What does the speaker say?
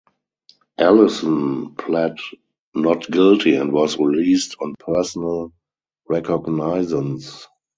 Ellison pled not guilty and was released on personal recognizance.